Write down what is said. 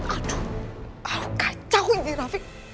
aduh kau kacauin sih rafiq